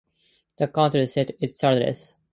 The county seat is Childress.